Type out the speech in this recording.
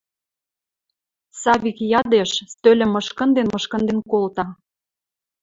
Савик ядеш, стӧлӹм мышкынден-мышкынден колта.